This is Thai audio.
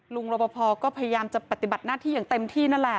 รบพอก็พยายามจะปฏิบัติหน้าที่อย่างเต็มที่นั่นแหละ